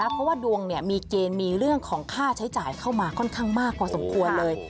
เพราะว่าดวงมีเกณฑ์มีเรื่องของค่าใช้จ่ายเข้ามาค่อนข้างมากพอสมควรเลย